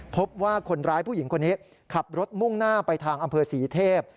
พบว่าคนร้ายผู้หญิงคนนี้ขับรถมุ่งหน้าไปทางอำเภอศรีเทพ